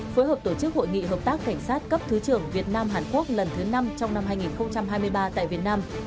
phối hợp tổ chức hội nghị hợp tác cảnh sát cấp thứ trưởng việt nam hàn quốc lần thứ năm trong năm hai nghìn hai mươi ba tại việt nam